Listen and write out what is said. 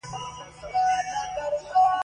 ښه خبره عقل ته غذا ده.